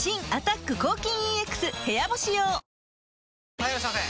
・はいいらっしゃいませ！